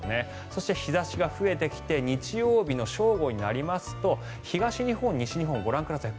そして、日差しが増えてきて日曜日の正午になりますと東日本、西日本ご覧ください。